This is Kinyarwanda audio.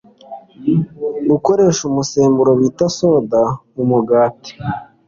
Gukoresha Umusemburo bita ‘Soda’ mu Mugati